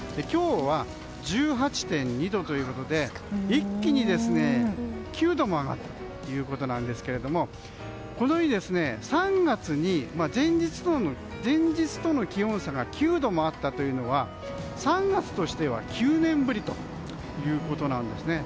今日は１８．２度ということで一気に９度も上がったということですけどこの日３月に前日との気温差が９度もあったというのは３月としては９年ぶりということなんです。